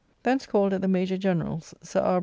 Thence called at the Major General's, Sir R.